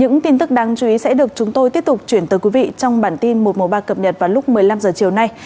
những tin tức đáng chú ý sẽ được chúng tôi tiếp tục chuyển tới quý vị trong bản tin một trăm một mươi ba cập nhật vào lúc một mươi năm h chiều nay